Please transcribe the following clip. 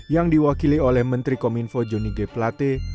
yang diwakili oleh menteri kominfo jonige plate